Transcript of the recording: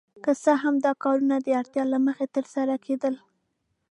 که څه هم دا کارونه د اړتیا له مخې ترسره کیدل.